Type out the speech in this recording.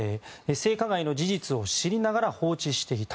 性加害の事実を知りながら放置していた。